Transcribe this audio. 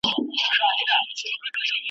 ځه راځه سره پخلا سو په زمان اعتبار نسته .